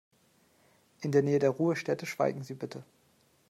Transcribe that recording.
In der Nähe der Ruhestätte schweigen Sie bitte.